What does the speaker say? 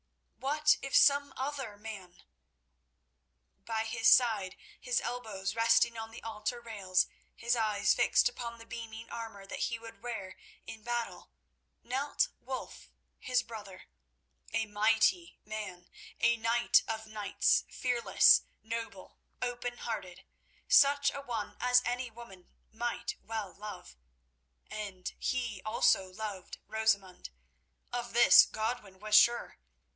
What if some other man—? By his side, his elbows resting on the altar rails, his eyes fixed upon the beaming armour that he would wear in battle, knelt Wulf, his brother—a mighty man, a knight of knights, fearless, noble, open hearted; such a one as any woman might well love. And he also loved Rosamund. Of this Godwin was sure.